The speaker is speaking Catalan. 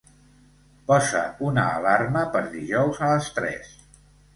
Posa una alarma per dijous a les tres.